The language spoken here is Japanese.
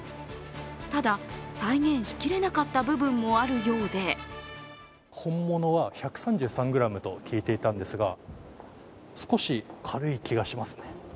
ただ、再現しきれなかった部分もあるようで本物は１３３ｇと聞いていたんですが、少し軽い気がします。